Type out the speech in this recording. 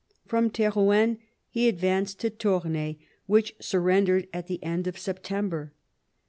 From Terouenne he advanced to Toucaai, which sur rendered at the end of September.